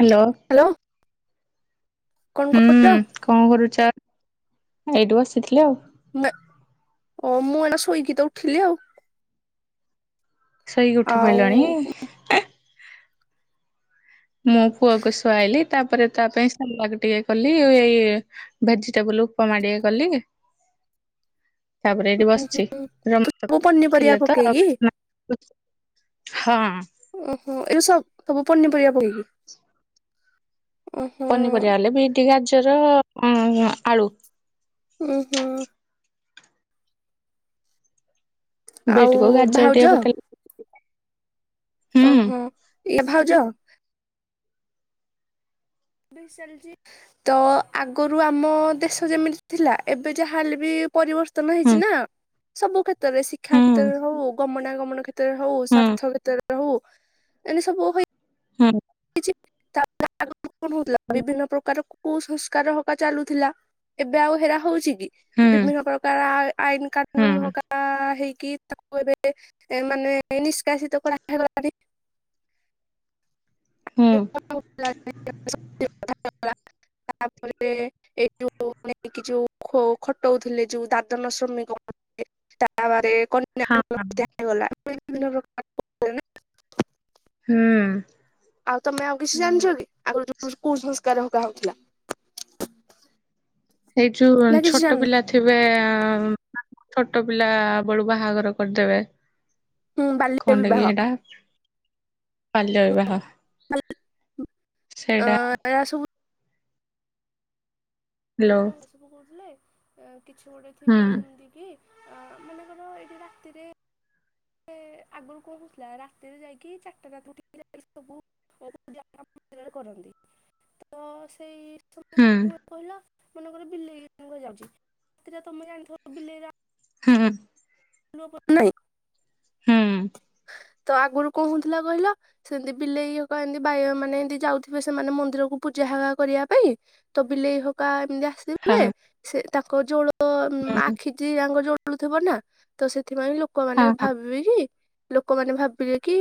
Hello. Hello. କଣ ହୁଁ କରୁଚ? କଣ କରୁଛ? ଏଇଠି ବସିଥିଲି ଆଉ। ମେ ଓ ମୁଁ ଏଇନା ଶୋଇକି ତ ଉଠିଲି ଆଉ। ଶୋଇକି ଉଠି ଆଉ ପଇଲଣି-ଇ-ଇ? ମୋ ପୁଅକୁ ଶୁଆଇଲି ତାପରେ ତା ପାଇଁ ସେରଲାକ ଟିକେ କଲି ଓ ଏଇ-ଇ-ଇ ଭେଜିଟେବୁଲ ଉପମା ଟିକେ କଲି। ତାପରେ ଏଇଠି ବସିଛି ରେ ସବୁ [unintelligible] ପନିପରିବା ଥିଲେ ତ ପକେଇକି [unintelligible] ହଁ। ଓହୋ ଏବେ ସବ ସବୁ ପନିପରିବା ପକେଇକି ଓ ହୋ। ପନିପରିବା ହେଲେ ବିଟ, ଗାଜର ଉଁ-ଉ-ଉ ଆଳୁ। ଉଁ ହୁଁ। ଆଉ ବିଟ କୁ ଗାଜର ଭାଉଜ ଟିକେ ପକେଇଲେ ଓହୋ ଇଏ ଭାଉଜ ଭିଶାଲ ଯି ତ-ଅ-ଅ ଆଗରୁ ଆମ ଦେଶ ଯେମିତି ଥିଲା ଏବେ ଯାହା ହେଲେ ବି ପରିବର୍ତ୍ତ ନ ହୁଁ ହେଇଛିନା ସବୁ କ୍ଷେତ୍ରରେ ଶିକ୍ଷା ହୁଁ କ୍ଷେତ୍ରରେ ହଉ ଗମନାଗମନ କ୍ଷେ ତ୍ର ରେ ହଉ ହୁଁ ସ୍ୱାର୍ଥ କ୍ଷେତ୍ରରେ ହଉ ଏମିତି ସବୁ ହେଇ ହୁଁ। କିଛି [unintelligible] ହଉଥିଲା ହୁଁ ବିଭିନ୍ନ ପ୍ରକାର କୁସଂସ୍କାର ହବା ଚାଲୁଥିଲା ଏବେ ଆଉ ହେରା ହଉଚି କି ହୁଁ ବିଭିନ୍ନ ପ୍ରକାର ଆ ଆଇନ କାନୁନ ହକା ହେଇକି ତାକୁ ଏବେ ଏ ମାନେ ନିଷ୍କାସିତ କରାଗଲାଣି। ହୁଁ [unintelligible] ତାପରେ ଏଇ ଯୋଉ ନେଇକି ଯୋଉ ଖୋ ଖଟଉଥିଲେ ଯୋଉ ଦାଦନ ଶ୍ରମିକମାନେ ତା ବାରେ କଣ ହଁ। [unintelligible] ହୁଁ। ଆଉ ତମେ ଆଉ କିଛି ଜାଣିଚ କି ଆଗ ଯୋ କୁସଂସ୍କାର ହକା ହଉଥିଲା। ଏଇ ଯୋଉ ନା କିଛି ଛୋଟ ଜାଣିନ ପିଲା ଥିବେ ଛୋଟ ପିଲା ବେଳୁ ବାହାଘର କରିଦେବେ ହୁଁ ବାଲ୍ୟ ଖଣ୍ଡେ ବିବାହ ବି ହେଟା ବାଲ୍ୟବିବାହ। ଅ [unintelligible] ସବୁ ହାଲୋ। ଆଗରୁ କଣ ସବୁ କହୁଥିଲେ କିଛି ଗୋଟେ ହୁଁ ଥିବ ଯେମିତିକି ଅ ମନେକର ଏଇଠି ରାତିରେ [unintelligible] [unintelligible] କରନ୍ତି ତ ସେଇ ସମ କହିଲ ହୁଁ ମନେକ ବିଲେଇରେ ଯାଉଚି ରାତିରେ ତମେ ଜାଣିଥିବ ବିଲେଇ ହୁଁ। [unintelligible] ହୁଁ। ତ ଆଗରୁ କଁ ହଉଥିଲା କହିଲ ସେମିତି ବିଲେଇ କ ଏମତି ବାଇଆ ମାନେ ଏମତି ଯାଉଥିବେ ସେମାନେ ମନ୍ଦିରକୁ ପୂଜା ହେ କରିବା ପାଇଁ ତ ବିଲେଇ ହକା ଏମିତି ଆସ୍ ହଁ ସିବେ ସେ ତାଙ୍କ ଜୋଳ ହୁଁ ଆଖିଟି ତାଙ୍କ ଜଳୁ ଥିବ ନା ତ ସେଥିପାଇଁ ହଁ ଲୋକମାନେ ହଁ ଭାବିବେ କି ଲୋକମାନେ ଭାବିବେ କି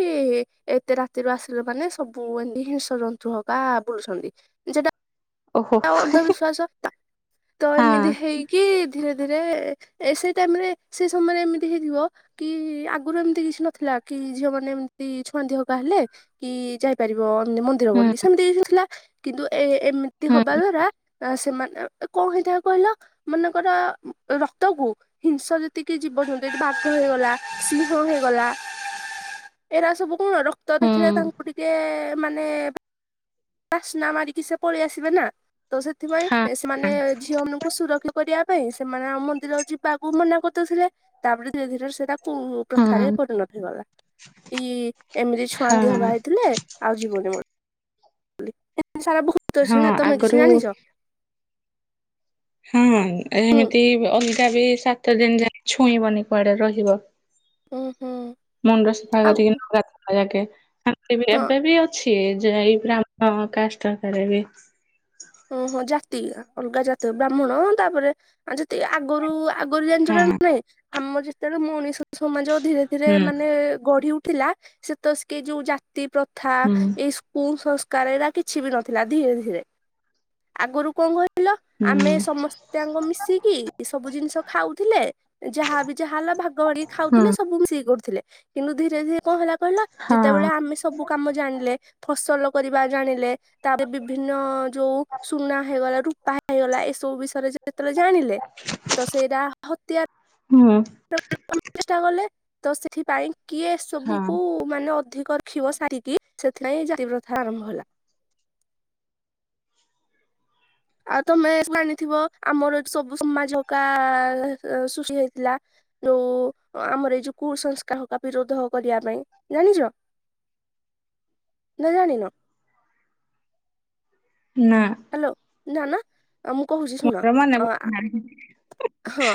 ଏତେ ରାତିରୁ ଆସିଲେ ମାନେ ସବୁ ଏମତି ହିଂସ ଜନ୍ତୁ ହବ। ବା ବୁଲୁଛନ୍ତି। ଓହୋ ଆ ଅନ୍ଧବିଶ୍ଵାସ ତ ହଁ ଏମିତି ହେଇ କି ଧୀରେ ଧୀରେ ଏ ସେଇ ଟାଇମରେ ସେ ସମୟରେ ଏମିତି ହେଇଥିବ କି ଆଗରୁ ଏମିତି କିଛି ନଥିଲା କି ଝିଅ ମାନେ ଏମିତି ଛୁଆଁ ଦିହକା ହେଲେ କି ଯାଇପାରିବ ମନ୍ଦିର ହୁଁ ବୋଲି ସେମିତି କିଛି ନଥିଲା କିନ୍ତୁ ଏ ଏମ୍ ଏମତି ହୁଁ ହବା ଦ୍ଵାରା ଅ ସେମାନେ କଣ ହେଇଥାଏ କହିଲ ମନେକର ରକ୍ତକୁ ହିଂସ ଯେତିକି ଜୀବ [unintelligible] ବାଘ ହେଇଗଲା ସିଂହ ହେଇଗଲା ଏରା ସବୁ କଣ ରକ୍ତ ହୁଁ ଦେଖିଲେ ତାଙ୍କୁ ଟିକ୍ ଟିଏ ମାନେ ବାସ୍ନା ବାରିକି ସିଏ ପଳେଇ ଆସିବେ ନା। ତ ସେଥିପାଇଁ ହଁ ସେମାନେ ଝିଅ ମାନଙ୍କୁ ସୁରକ୍ଷିତ୍ କରିବା ପାଇଁ ସେମାନେ ଆମ ମନ୍ଦିର ଯିବାକୁ ମନା କରିଦଉଥିଲେ ତାପରେ ଧୀରେ ଧୀରେ ସେ ତାକୁ ପ୍ରଥାରେ ହଁ ପରିଣତ ହେଇଗଲା କି ଏମିତି ଛୁଆ ଦିହ ହଁ ବାହାହେଇଥିଲେ ଆଉ ଯିବନି ମ [unintelligible] ସାରା ବୋହୁତ ଅଛି ହଁ ନା। ତମେ କିଛି ଆଗରୁ ଜାଣିଚ? ହୁଁ ହୁଁ ଏମିତି ଅଲଗା ବି ସାତ୍ ତ ଦିନ ଯାଇ ଛୁଇଁବନି କୁଆଡେ ରହିବ ହୁଁ ହୁଁ ମୁଣ୍ଡ ସଫା ଆଉ କରିକିନା ଗା [unintelligible] ହଁ ଏବେ ବି ଅଛି ଯେ ଏଇ ବ୍ରାହ୍ମଣ କାଷ୍ଟ ଘରେ ବି ଓହୋ ଜାତି ଅଲଗା ଜାତିର ବ୍ରାହ୍ମଣ ତାପରେ ଆ ଯେତିକି ଆଗୁରୁ ଆଗୁରୁ ଜାଣିଚ ନା ହଁ ନାଇଁ ଆମର ଯେତେବେଳେ ମଣିଷ ସମାଜ ଧୀରେ ଧୀରେ ହୁଁ ମାନେ ଗଢି ଉଠିଲା ସେ [unintelligible] ଯୋଉ ଜାତି ପ୍ରଥା ହୁଁ ଏଇ କୁସଂସ୍ କାର କିଛି ବି ନଥିଲା ଧୀରେ ଧୀରେ ଆଗରୁ କଣ କହିଲ ଆମେ ହୁଁ ସମସ୍ ସ୍ତେ ଆକ ମିଶିକି ସବୁ ଜିନିଷ ଖାଉଥିଲେ ଯାହାବି ଯାହା ହେଲା ଭାଗ୍ ଗ କରି ହୁଁ ଖାଉଥିଲେ ସବୁ ମିଶି କରୁଥିଲେ କିନ୍ତୁ ଧୀରେ ଧୀରେ କଣ ହେଲା କହିଲ ଯେତେବେଳେ ହଁ ଆମେ ସବୁ କାମ ଜାଣିଲେ ଫସଲ କରିବା ଜାଣିଲେ ତାପରେ ବିଭିନ୍ନ ଯୋଉ ସୁନା ହେଇଗଲା ରୂପା ହେଇଗଲା ଏସବୁ ବିଷୟରେ ଯେତେବେଳେ ଜାଣିଲେ ତ ସେଇଟା ହତ୍ୟାର୍। ହୁଁ। ଚେଷ୍ଟା କଲେ ତ ସେଥିପାଇଁ କିଏ ହଁ ସବୁକୁ ମାନେ ଅଧିକ ରଖିବ ସାରିକି, ସେଥିପାଇଁ ଜାତି ପ୍ରଥା ଆରମ୍ଭ ହେଲା। ଆଉ ତମେ ଜାଣିଥିବ ଆମର ଏଠି ସବୁ ସମାଜ ହେରିକା ସୃଷ୍ଟି ହେଇଥିଲା। ଯୋଉ ଆମର ଏଇ ଯୋଉ କୁସଂସ୍କାର ହେରକା ବିରୋଧ କରିବା ପାଇଁ ଜାଣିଚ? ନା ଜାଣିନ? ନା। ହ୍ୟାଲୋ। ଜାଣିନ? ଆ ମୁଁ କହୁଚି ଶୁଣ। ମୋର ମନେ ପଡୁନାହିଁ ହଁ।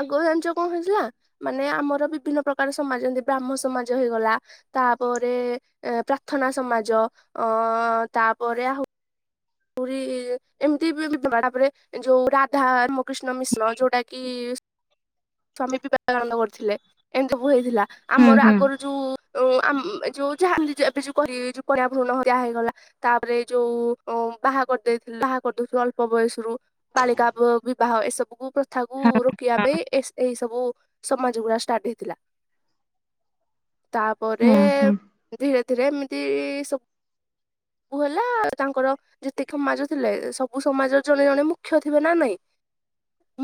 ଆଗୁଆ ଜାଣିଚ କଣ ହେଇଥିଲା? ମାନେ ଆମର ବିଭିନ୍ନ ପ୍ରକାର ସମାଜ। ଯେମିତି ବ୍ରାହ୍ମ ସମାଜ ହେଇଗଲା ତାପରେ ଏ ପ୍ରାର୍ଥନା ସମାଜ ଅ ତାପରେ ଆହୁ ହୁରି ଏମତି [unintelligible] ତାପରେ ଯୋଉ ରାଧା ରାମକୃଷ୍ଣ ମିଶ୍ର ଯୋଉଟା କି ସ୍ଵାମୀ ବିବେକାନନ୍ଦ କରିଥିଲେ। ଏମିତି ବହୁ ହେଇଥିଲା। ହୁଁ ଆମର ହୁଁ ଆଗରୁ ଯୋଉ ଯୋଉ ଆମ୍ ଯୋଉ ଯାହା ଏମତି ଏବେ ଯୋଉ କରି କନ୍ୟା ଭ୍ରୁଣ ହେରିଆ ହେଇଗଲା। ତାପରେ ଯୋଉ ଅ ବାହା କରିଦେଇଥିଲେ ବାହା କରିଦଉଥିଲେ ଅଳ୍ପ ବୟସରୁ ବାଳିକା ବିବାହ ଏ ସବୁକୁ ପ୍ରଥା କୁୁ ହଁ ରୋକିବା ପାଇଁ ଏ ଏହି ସବୁ ସମାଜ୍ ଯୋଉ ଗୁଡାକ ଷ୍ଟାଟ୍ ହେଇଥିଲା। ତାପରେ ହଁ ହୁଁ ହୁଁ ଧୀରେ ଧୀରେ ଏମିତି ସବ୍ ବୁ ହେଲା। ତାଙ୍କର ଯେତିକି ମାଜୁଥିଲେ ସବୁ ସମାଜର ଜଣେ ଜଣେ ମୁଖ୍ୟ ଥିବେ ନା ନାଇଁ।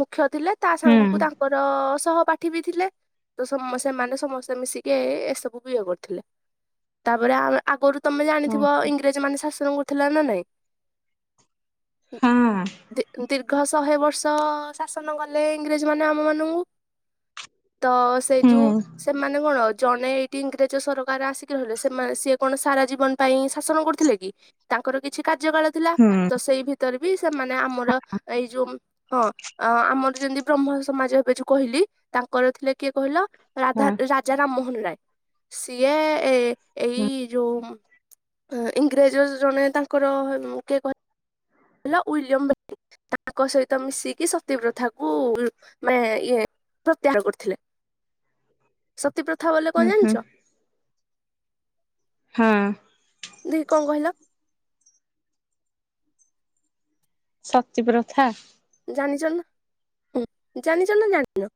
ମୁଖ୍ୟ ଥିଲେ ତା ହୁଁ ସାଙ୍ଗକୁ ତାଙ୍କର ସହ ପା ପାଠି ବି ଥିଲେ। ତ ସେମାନେ ସମସ୍ତେ ମିଶିକି ଏସବୁ ବିରୋଧ କରୁଥିଲେ। ତାପରେ ଆମେ ଆଗରୁ ତମେ ଓ ଜାଣିଥିବ ଇଂଗ୍ରେଜ ମାନେ ଶାସନ କରୁଥିଲା ନା ନାଇଁ। କେ ହଁ ଦୀ ଦୀର୍ଘ ଶହେ ବର୍ଷ ଶାସନ କଲେ ଇଂଗ୍ରେଜ ମାନେ ଆମ ମାନଙ୍କୁ। ତ ସେ ହୁଁ ଯୋଉ ସେମାନେ କଣ ଜଣେ [unintelligible] ସରକାର ଆସିକି ରହିଲେ ସେମା ସିଏ କଣ ସାରା ଜୀବନ ପାଇଁ ଶାସନ କରୁଥିଲେ କି। ତାଙ୍କର କିଛି କାର୍ଯ୍ୟ କାଳ ଥିଲା। ହୁଁ ତ ସେଇ ଭିତରେ ବି ସେମାନେ ଆମର ଏଇ ଯୋଉ ହଁ ଆମର ଯେମିତି ବ୍ରହ୍ମ ସମାଜ ଏବେ ଯୋଉ କହିଲି, ତାଙ୍କର ଥିଲେ କିଏ କହିଲ? ରାଧା ହଁ ରାଜା ରାମମୋହନରାୟ। ସିଏ ଏ ହୁଁ ଏଇ ଯୋଉ ଇଂଗ୍ରେଜ ଜଣେ ତାଙ୍କର କିଏ କହି ଲ ୱିଲିୟମ ବେଣ୍ଟିଂଙ୍ଗ। ତାଙ୍କ ସହିତ ମିଶିକି ସତୀ ପ୍ରଥାକୁ ମେ ଇଏ ପ୍ରତ୍ୟାହାର କରିଥିଲେ। ସତୀ ପ୍ରଥା ବଲେ କଣ ହୁଁ ହୁଁ ଜାଣିଚ? ହଁ। ଦେଖୀ କଣ କହିଲ? ସତୀ ପ୍ରଥା ଜାଣିଚ ନା ଜାଣିଚ ନା ଜାଣିନ?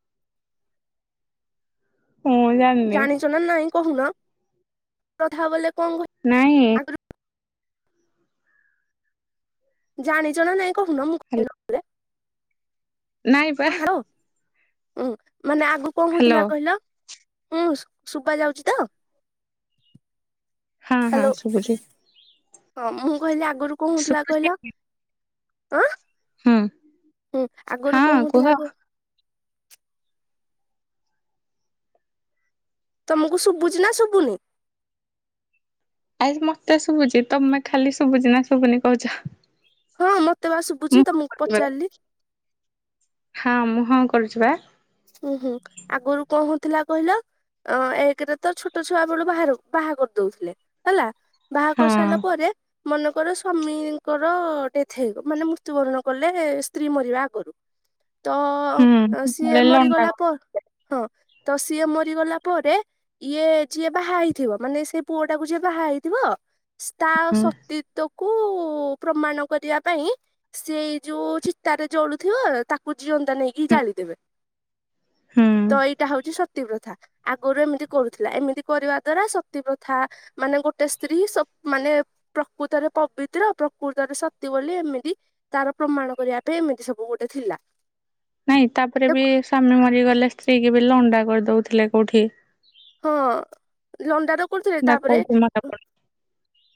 ମୁଁ ଜା ଜାଣିଚ ନା ନାଇଁ କହୁନ। ପ୍ରଥା ବଲେ କଣ କ ନାଇଁ। ଜାଣିଚ ନା ନାଇଁ କହୁନ ମୁଁ। [unintelligible] ହାଲୋ ନାଇଁ ବା ହଁ ହାଲୋ। ଉଁ ମାନେ ଆଗ କଣ ହାଲୋ ହଉଥିଲା କହିଲ? ହୁଁ, ଶୁବା ଯାଉଚି ତ? ହଁ ହଁ ହ୍ୟାଲୋ। ଶୁଭୁଛି ହଁ ମୁଁ କହିଲି ଆଗରୁ କଣ ହଉଥିଲା ଶୁଭୁଛି କହିଲ? ଅ ହୁଁ ଉଁ ଆଗରୁ ହଁ କଣ କୁହ ହଉଥିଲା କୁ ତମକୁ ଶୁବୁଚି ନା ଶୁବୁନି? ଆରେ ମତେ ଶୁବୁଚି। ତମେ ଖାଲି ଶୁବୁଚି ନା ଶୁବୁନି କହୁଚ। ହଁ ମତେ ବା ଶୁଭୁଚି ତମକୁ କରୁଛି ବା। ପଚାରିଲି। ହଁ ମୁଁ ହଁ କରୁଚି ବା। ଉଁ ହୁଁ। ଆଗରୁ କଣ ହଉଥିଲା କହିଲ? ଅ ଏକରେ ତ ଛୋଟ ଛୁଆ ବେଳୁ ବାହାରୁ ବାହା କରିଦେଉଥିଲେ ହେଲା। ବାହା କରି ହଁ ସାରିଲା ପରେ ମନେକର ସ୍ଵାମୀଙ୍କର ଡେଥ ମାନେ ମୃତ୍ୟୁବରଣ କଲେ ସ୍ତ୍ରୀ ମରିବା ଆଗରୁ। ତ ହୁଁ ସିଏ ବେଳେ ଲଣ୍ଡା ମରିଗଲା ପରେ ହଁ ତ ସିଏ ମରିଗଲା ପରେ ଇଏ ଯିଏ ବାହା ହେଇଥିବ ମାନେ ସେଇ ପୁଅ ଟାକୁ ଯିଏ ବାହା ହେଇଥିବ ତା ହୁଁ ସତୀ କୁ ପ୍ରମାଣ କରିବା ପାଇଁ ସେଇ ଯୋଉ ଚିତାରେ ଜଳୁଥିବ ତାକୁ ଜିଅନ୍ତା ନେଇକି ହୁଁ ଜାଳିଦେବେ। ତ ହୁଁ ଏଇଟା ହଉଛି ସତୀପ୍ରଥା। ଆଗରୁ ଏମିତି କରୁଥିଲା ଏମିତି କରିବା ଦ୍ଵାରା ସତୀ ପ୍ରଥା ମାନେ ଗୋଟେ ସ୍ତ୍ରୀ ମାନେ ପ୍ରକୃତରେ ପବିତ୍ର ପ୍ରକୃତରେ ସତ ବୋଲି ଏମିତି ତାର ପ୍ରମାଣ କରିବା ପାଇଁ ଏମିତି ସବୁ ଗୋଟେ ଥିଲା। ନାଇଁ ତାପରେ ବି ସ୍ଵାମୀ ମରିଗଲେ ସ୍ତ୍ରୀ କି ବି ଲଣ୍ଡା କରିଦଉଥିଲେ କୋଉଠି? ହଁ ଲଣ୍ଡା ତ କରୁଥିଲେ ନା ତାପରେ କୋଉଠି ମନେ ପଡୁନି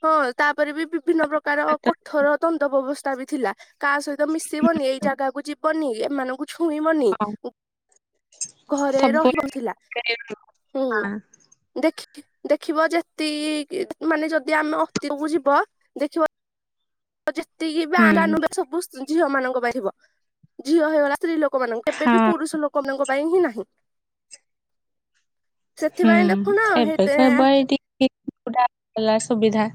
ହଁ ତାପରେ ବି ବିଭିନ୍ନ ପ୍ରକାର ଥର ଦଣ୍ଡ ବ୍ୟବସ୍ଥା ବି ଥିଲା କାହା ସହିତ ମିଶିବନି ଏଇ ଜାଗାକୁ ଯିବନି ଏମାନଙ୍କୁ ଛୁଇଁବନି ଘରେ ସବୁବେଳେ ରହିବଥିଲା। [inaudible] ହୁଁ ହଁ ଦେଖ ଦେଖିବ ଯେତିକି ମାନେ ଯଦି ଆମେ ଅତୀତକୁ ଯିବ ଦେଖିବ ଯେତିକି ବା ହୁଁ ର ସବୁ ଝିଅ ମାନଙ୍କ ବାହାରିବ ଝିଅ ହେଇଗଲା ସ୍ତ୍ରୀ ଲୋକ ଲୋକ ମାନଙ୍କ କେବେ ବି ହଁ ପୁରୁଷ ଲୋକମାନଙ୍କ ପାଇଁ ହିଁ ନାହିଁ ହୁଁ ସେଥିପାଇଁ ଦେଖୁନ ହେତେ ଏବେକୁ ଏବ ଏଇଟି [inaudible] ସୁବିଧା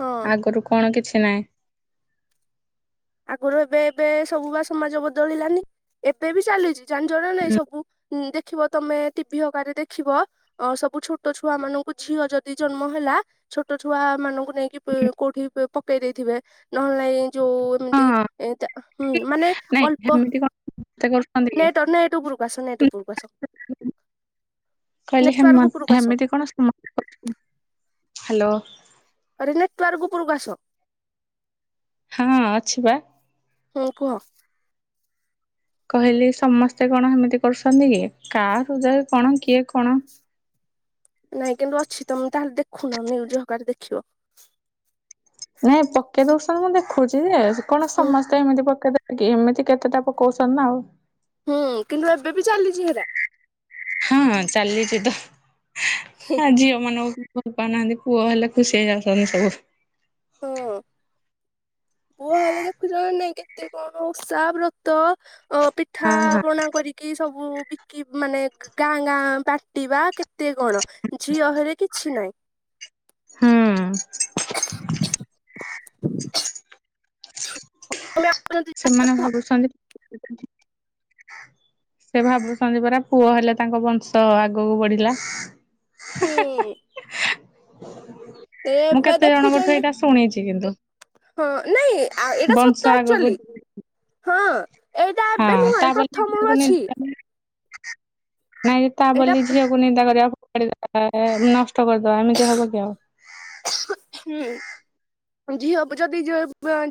ହଁ ଆଗରୁ କଣ କିଛି ନାହିଁ। ଆଗରୁ ଏବେ ଏବେ ସବୁ ବା ସମାଜ ବଦଳିଲାନି ଏବେ ବି ଚାଲିଛି। ଜାଣିଚ ନା ନାଇଁ ସବୁ ଦେଖିବ ତମେ ଟିଭି ହକାରେ ଦେଖିବ। ଅ ସବୁ ଛୋଟ ଛୁଆ ମାନଙ୍କୁ ଝିଅ ଯଦି ଜନ୍ମ ହେଲା। ଛୋଟ ଛୁଆ ମାନଙ୍କୁ ନେଇକି କୋଉଠି ପକେଇ ଦେଇଥିବେ ନହେଲେ ଏ ଯୋଉ ତି ହଁ ଏ ହୁଁ ମାନେ ନାଇଁ ଅଳ୍ପ। ଏମିତି କଣ ସମସ୍ତେ କରୁଛନ୍ତି କି ନେଟ ନେଟ ଉପରକୁ ଆସ ନେଟ ଉପରକୁ ଆସ। ନେଟୱାର୍କ କହିଲେମ ଉପରକୁ ଆସ। ହେମିତି କଣ ହ୍ୟାଲୋ? ଆରେ ନେଟୱର୍କ ଉପରୁକୁ ଆସ। ହଁ ଅଛି ପା। ହୁଁ କୁହ। କହିଲି ସମସ୍ତେ କଣ ସେମିତି କରୁଛନ୍ତି କି କା ହୃଦୟ କଣ କିଏ କଣ? ନାଇଁ କିନ୍ତୁ ଅଛି ତମେ ତାହେଲେ ଦେଖୁନ ନିଉଜ ହେରିକରେ ଦେଖିବ। ନାଇଁ ପକେଇ ଦଉସ ମୁଁ ଦେଖୁଛି ଯେ କଣ ହୁଁ ସମ ତ ଏମିତି ପକେଇଦ କି ଏମିତି କେତେଟା ପକଉଛନ୍ତି ନା ଆଉ। ହୁଁ କିନ୍ତୁ ଏବେ ବି ଚାଲିଛି ହେରା। ହଁ ଚାଲିଛି ତ ଆଜି ମାନଙ୍କୁ ଭଲ ପାଉନାହାନ୍ତି ପୁଅ ହେଲେ ଖୁସି ହେଇଯାଉଛନ୍ତି ସବୁ ହଁ ପୁଅ ହେଲେ ଦେଖୁଛ ନାଇଁ କେତେ କଣ ଉଷା ବ୍ରତ ଅ ପିଠା ହଁ ହଁ ପଣା କରି କି ସବୁ ବିକି ମାନେ ଗାଁ ଗାଁ ବାଟିବା କେତେ? କେତେ କଣ ଝିଅ ହେଲେ କିଛି ନାଇଁ। ହୁଁ ସେମାନେ ଭାବୁଛନ୍ତି [unintelligible] ସେ ଭାବୁଛନ୍ତି ପରା ପୁଅ ହେଲେ ତାଙ୍କ ବଂଶ ଆଗକୁ ବଢିଲା। ହୁଁ [inaudible] ମୁଁ ଏବେ କେତେ ଦେଖୁଛ ଜଣଙ୍କଠୁ ଏଇଟା ଶୁଣିଛି କିନ୍ତୁ। ହଁ ନାଇଁ ଏଇଟା ବଂଶ ସତ ଆଗକୁ ଏକ୍ଟୁଲି ହଁ। ଏଇଟା ହଁ ଏବେ ନୁହଁ ଏ ତା ବୋଲି ପ୍ରଥମରୁ ଅଛି ନାଇଁ [unintelligible] ତା ଏଇଟା ବୋଲି ଝିଅ। କୁ ନିନ୍ଦା କରିବା ନଷ୍ଟ କରିଦବା ଏମିତି ହବ କି ଆଉ। ହୁଁ। ଝିଅ ହବୁ ଯଦି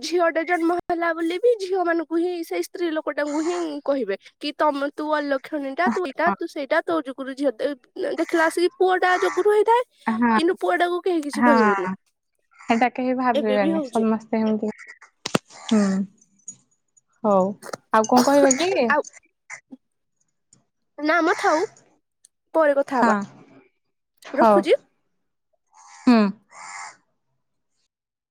ଝିଅ ଟେ ଯନ୍ମ ହେଲା ବୋଲି ବି ଝିଅ ମାନଙ୍କୁ ହିଁ ସେଇ ସ୍ତ୍ରୀ ଲୋକ ଟାଙ୍କୁ ହିଁ କହିବେ କି ତମେ ତୁ ଅଲୋ କ୍ଷଣୀଟା ତୁ ଏଇଟା ତୁ ସେଇଟା ତୋ ଯୋଗରୁ ଝିଅଟେ ଦେଖିଲା ଆସିକି ପୁଅ ଟା ଯୋଗୁ ରୁ ହେଇଥାଏ ହଁ କିନ୍ତୁ ପୁଅ ଟାକୁ କେହି ହଁ କିଛି କହିବେନି। ହଁ। ସେଟା କେହି ଏବେ ବି ଭାବିବେନି ହଉଛି ସମସ୍ତେ ଏମିତି ହୁଁ। ହଉ ଆଉ କଣ କହିବ ଏତି କି? ଆଉ ନା ମ ଥାଉ ପରେ କଥା ହଁ ହବା ହଉ ରଖୁଛି। ହୁଁ।